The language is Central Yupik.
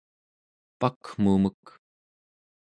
pakmumek